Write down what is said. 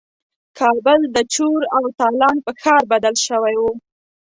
کابل د چور او تالان په ښار بدل شوی وو.